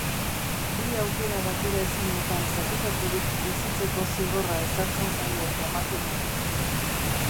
Bi aukera bateraezinetan zatikaturik bizitzeko zigorra ezartzen zaie emakumeei.